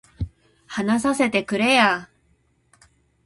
話させてくれや